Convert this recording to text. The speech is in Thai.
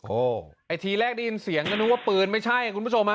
โอ้โหไอ้ทีแรกได้ยินเสียงก็นึกว่าปืนไม่ใช่คุณผู้ชมฮะ